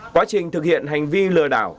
quá trình thực hiện hành vi lừa đảo